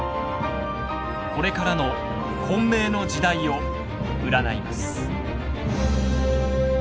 これからの混迷の時代を占います。